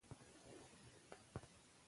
ملي یووالی د بریا کیلي ده.